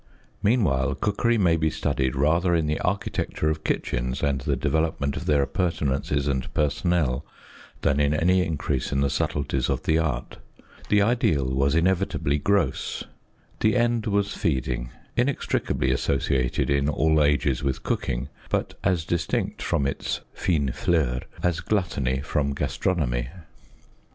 Meanwhile cookery may be studied rather in the architecture of kitchens, and the development of their appurtenances and personnel, than in any increase in the subtleties of the art; the ideal was inevitably gross; the end was feeding ŌĆö inextricably associated in all ages with cooking, but as distinct from its fine fleur as gluttony from gastronomy.